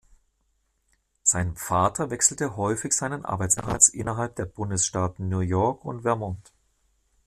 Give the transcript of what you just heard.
Sein Vater wechselte häufig seinen Arbeitsplatz innerhalb der Bundesstaaten New York und Vermont.